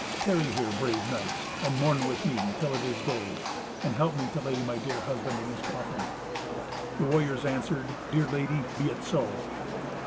Tarry here, brave knights, and mourn with me till it is day, and help me to lay my dear husband in his coffin." The warriors answered, "Dear lady, be it so."